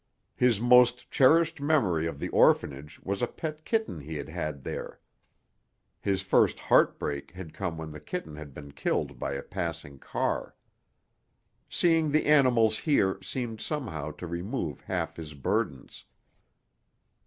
His most cherished memory of the orphanage was a pet kitten he had had there. His first heartbreak had come when that kitten had been killed by a passing car. Seeing the animals here seemed somehow to remove half his burdens.